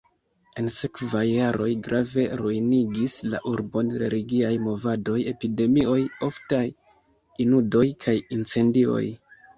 En sekvaj jaroj grave ruinigis la urbon religiaj movadoj, epidemioj, oftaj inundoj kaj incendioj.